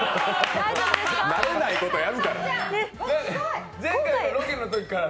慣れないことやるから。